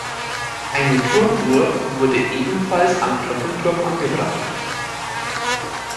Eine Turmuhr wurde ebenfalls am Glockenturm angebracht.